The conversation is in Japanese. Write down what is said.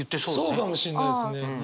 そうかもしんないですね。